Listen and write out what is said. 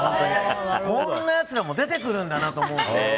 こんなやつらも出てくるんだなと。